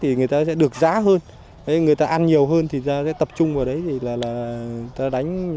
thì người ta sẽ được giá hơn người ta ăn nhiều hơn thì ta sẽ tập trung vào đấy